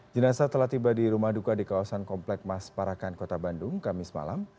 jenasa telah tiba di rumah duka di kawasan komplek mas parakan kota bandung kamis malam